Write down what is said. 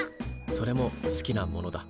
それも好きなものだ。